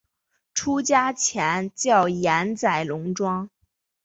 出家前叫岩仔龙庄。